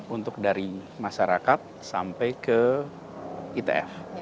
untuk dari masyarakat sampai ke itf